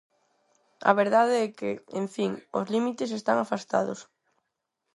A verdade é que, en fin, os límites están afastados.